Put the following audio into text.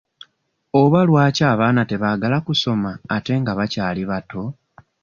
Oba lwaki abaana tebaagala kusoma ate nga bakyali bato?